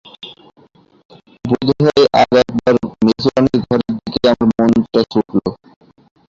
বোধ হয় আর-একবার মেজোরানীর ঘরের দিকে আমার মনটা ছুটল।